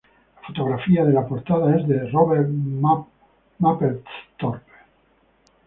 La fotografía de la portada es de Robert Mapplethorpe.